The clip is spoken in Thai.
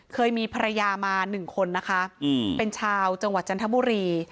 เคยมีภรรยามา๑คนนะคะเป็นชาวจังหวัดจันทบุรี